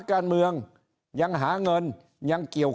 ก็มาเมืองไทยไปประเทศเพื่อนบ้านใกล้เรา